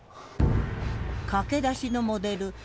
駆け出しのモデル橋本